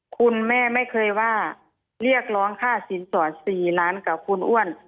คุณแม่ไม่เคยว่าเรียกร้องค่าสินสอด๔ล้านกับคุณอ้วน